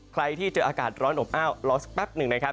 ใครที่เจออากาศร้อนอบอ้าวรอสักแป๊บหนึ่งนะครับ